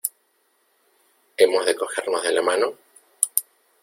¿ Hemos de cogernos de la mano?